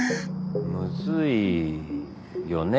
むずいよね。